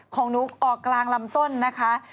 ของนุ๊กออกกลางลำต้นนะคะ